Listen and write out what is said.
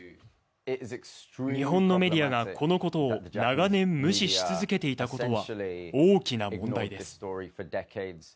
日本のメディアがこのことを長年無視し続けていたことは大きな問題です。